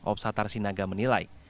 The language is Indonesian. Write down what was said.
opsatar sinaga menilai